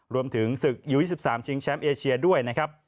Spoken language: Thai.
รวมถึงศึกยู๒๓ชิงแชมป์เอเชียด้วยนะครับ